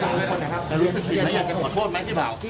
อยากจะบอกอะไรเกี่ยวกับครอบครัวเราหรือเปล่าพี่